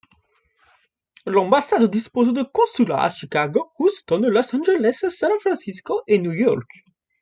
L'ambassade dispose de consulats à Chicago, Houston, Los Angeles, San Francisco et New York.